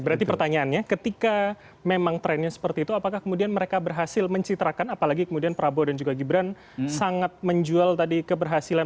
berarti pertanyaannya ketika memang trennya seperti itu apakah kemudian mereka berhasil mencitrakan apalagi kemudian prabowo dan juga gibran sangat menjual tadi keberhasilan